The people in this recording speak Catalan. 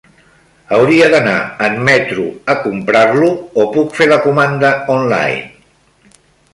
Hauria d'anar en metro a comprar-lo, o puc fer la comanda online?